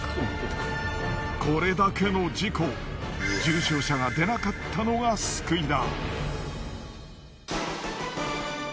これだけの事故重傷者が出なかったのが救いだ。